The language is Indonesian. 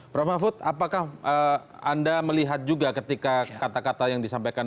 prof mahfud apakah anda melihat juga ketika kata kata yang disampaikan